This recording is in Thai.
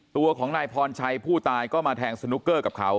ตัวของนายพรชัยผู้ตายก็มาแทงสนุกเกอร์กับเขา